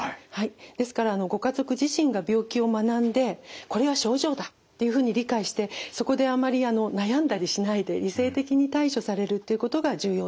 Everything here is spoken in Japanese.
ですからご家族自身が病気を学んでこれは症状だっていうふうに理解してそこであまり悩んだりしないで理性的に対処されるっていうことが重要です。